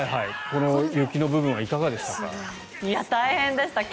この雪の部分はいかがでしたか？